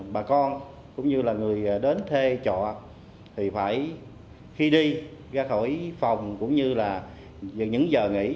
bà con cũng như là người đến thuê trọ thì phải khi đi ra khỏi phòng cũng như là những giờ nghỉ